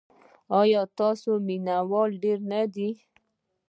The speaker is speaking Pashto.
ایا ستاسو مینه وال ډیر نه دي؟